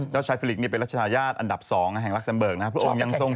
เจ้าชายเฟลิกเป็นรัชญาญาติอันดับ๒แห่งรักเซมเบิร์กนะครับ